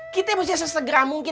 kita mesti sesegera mungkin